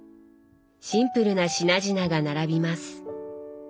シンプルな品々が並びます。